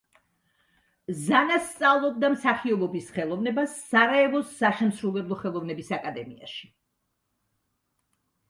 ზანა სწავლობდა მსახიობობის ხელოვნებას სარაევოს საშემსრულებლო ხელოვნების აკადემიაში.